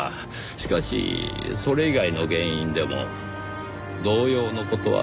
しかしそれ以外の原因でも同様の事は起こり得ます。